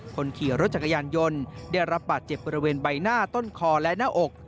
คนขี่รถจักรยานยนต์ได้รับบาดเจ็บบริเวณใบหน้าต้นคอและหน้าอก